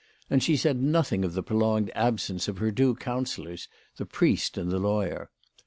And she said nothing of the prolonged absence of her two counsellors, the priest and the lawyer.